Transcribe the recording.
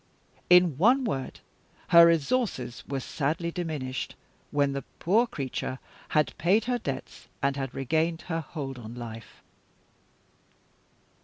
In one word, her resources were sadly diminished, when the poor creature had paid her debts, and had regained her hold on life.